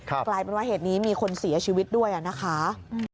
กลายเป็นว่าเหตุนี้มีคนเสียชีวิตด้วยนะคะ